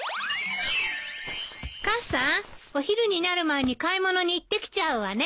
母さんお昼になる前に買い物に行ってきちゃうわね。